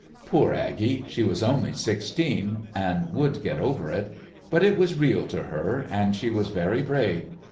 Poor Aggie! She was only sixteen, and would get over it; but it was real to her, and she was very brave.